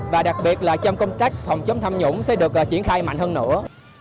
và đặc biệt là trong công tác phòng chống tham nhũng sẽ được triển khai mạnh hơn nữa